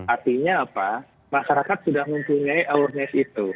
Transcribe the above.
artinya apa masyarakat sudah mempunyai awareness itu